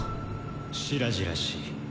白々しい。